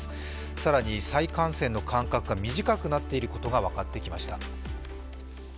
更に、再感染の間隔が短くなってきていることが分かりました。